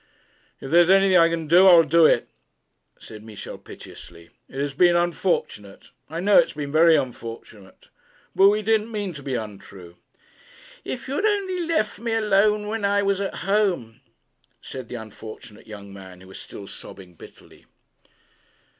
'If there is anything I can do, I will do it,' said Michel piteously. 'It has been unfortunate. I know it has been very unfortunate. But we didn't mean to be untrue.' 'If you had only left me alone when I was at home!' said the unfortunate young man, who was still sobbing bitterly.